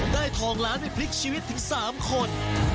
ทองล้านไปพลิกชีวิตถึง๓คน